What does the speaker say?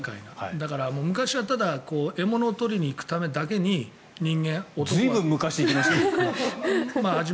だから昔はただ獲物を取りに行くためだけに随分昔に行きましたね。